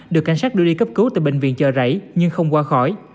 được cảnh sát đưa đi cấp cứu tại bệnh viện chợ rảy nhưng không qua khỏi